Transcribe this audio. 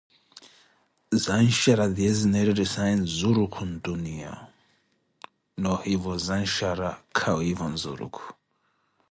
zanshara tiye zineettetisaazo nzuruku ntuniya, noohivo zanshara kawiivo nzurukhu.